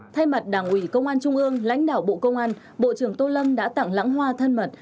thay mặt đảng ủy công an trung ương lãnh đạo bộ công an bộ trưởng tô lâm đã tặng lãng hoa thân mật